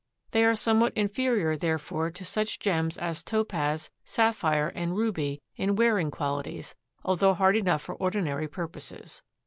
They are somewhat inferior therefore to such gems as topaz, sapphire and ruby in wearing qualities, although hard enough for ordinary purposes.